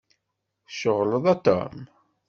Tceɣleḍ, a Tom?